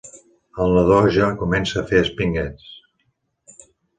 El nadó ja comença a fer espinguets.